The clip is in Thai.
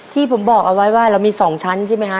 ที่ผมบอกเอาไว้ว่าเรามี๒ชั้นใช่ไหมคะ